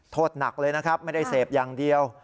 โทษหนักเลยนะครับไม่ได้เสพอย่างเดียว